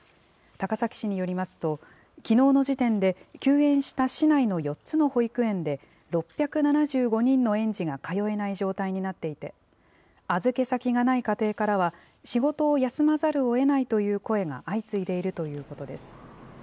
高崎市によりますと、きのうの時点で、休園した市内の４つの保育園で、６７５人の園児が通えない状態になっていて、預け先がない家庭からは、仕事を休まざるをえないという声が相次いでいるということです。